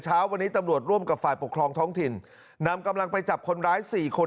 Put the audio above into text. เช้าวันนี้ตำรวจร่วมกับฝ่ายปกครองท้องถิ่นนำกำลังไปจับคนร้ายสี่คน